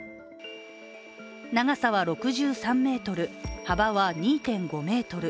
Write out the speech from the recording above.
長さは６３ｍ、幅は２．５ｍ。